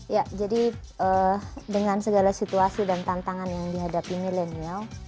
ya jadi dengan segala situasi dan tantangan yang dihadapi milenial